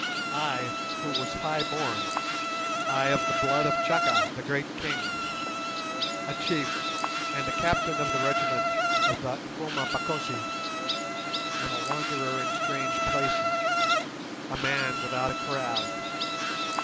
I who was high born, ay, of the blood of Chaka, the great king—a chief, and a captain of the regiment of the Nkomabakosi—am a wanderer in strange places, a man without a kraal.